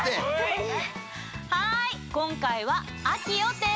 はい！